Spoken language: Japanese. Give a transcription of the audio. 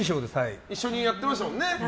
一緒にやってましたもんね。